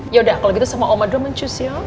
yaudah kalau gitu sama oma doang mencus ya